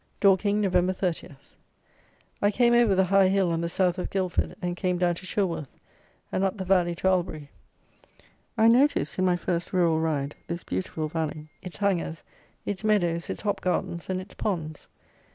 Dorking, November 30. I came over the high hill on the south of Guildford, and came down to Chilworth, and up the valley to Albury. I noticed, in my first Rural Ride, this beautiful valley, its hangers, its meadows, its hop gardens, and its ponds.